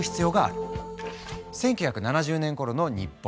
１９７０年ごろの日本。